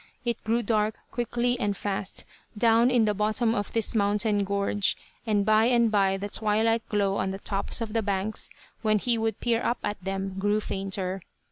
It grew dark quickly and fast, down in the bottom of this mountain gorge, and by and by the twilight glow on the tops of the banks, when he would peer up at them, grew fainter.